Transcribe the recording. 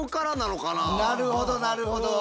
なるほどなるほど。